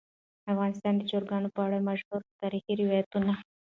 افغانستان د چرګانو په اړه مشهور تاریخی روایتونه.